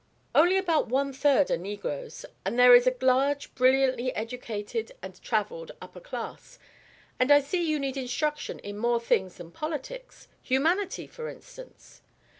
"Only about one third are negroes and there is a large brilliantly educated and travelled upper class. And I see you need instruction in more things than politics, humanity, for instance.